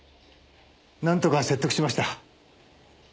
なんとか説得しました。